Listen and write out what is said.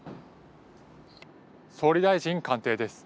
総理大臣官邸です。